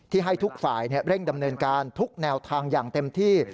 ให้ทุกฝ่ายเร่งดำเนินการทุกแนวทางอย่างเต็มที่